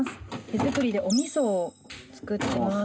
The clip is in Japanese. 手作りでお味噌を作ってます。